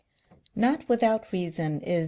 Not without reason is M.